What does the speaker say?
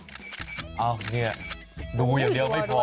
ดูอย่างเดียวไม่พอ